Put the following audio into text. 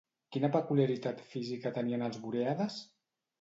Quina peculiaritat física tenien els Borèades?